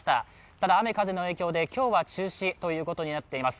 ただ雨風の影響で今日は中止ということになっています。